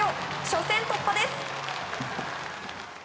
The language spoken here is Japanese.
初戦突破です。